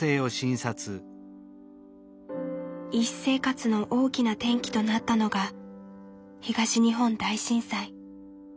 医師生活の大きな転機となったのが東日本大震災。